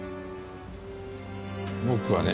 僕はね。